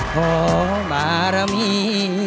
ขอบารมี